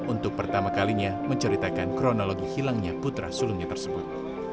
untuk pertama kalinya menceritakan kronologi hilangnya putra sulungnya tersebut